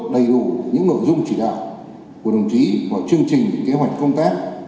đầy đủ những nội dung chỉ đạo của đồng chí vào chương trình kế hoạch công tác